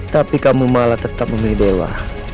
tapi kamu malah tetap memilih dewa